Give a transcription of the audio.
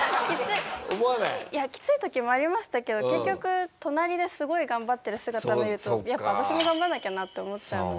思わない？いやきつい時もありましたけど結局隣ですごい頑張ってる姿見るとやっぱ私も頑張らなきゃなって思っちゃうので。